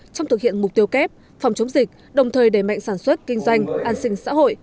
trong thực hiện mục tiêu kép phòng chống dịch đồng thời đẩy mạnh sản xuất kinh doanh an sinh xã hội